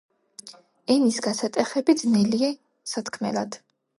ენის გასატეხები ძნელია სათქმელად